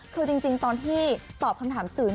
คือจริงตอนที่ตอบคำถามสื่อ